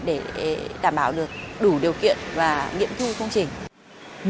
để đảm bảo được đủ điều kiện và nghiệm thu công trình